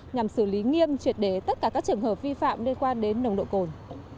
nhằm xử lý nghiêm truyệt đế tất cả các trường hợp vi phạm liên quan đến nông độ cồn